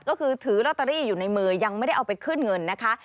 ก็คือถือลอตเตอรี่อยู่ในมือยังไม่ได้เอาไปขึ้นเงินนะคะ